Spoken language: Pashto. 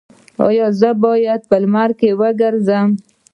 ایا زه باید په لمر کې وګرځم؟